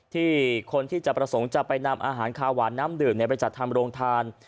ที่คนที่จะประสงค์จะไปนำอาหารคาหวานน้ำดื่มไปจัดทำโรงทาน